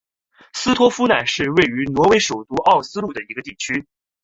斯托夫奈是位于挪威首都奥斯陆的一个地区。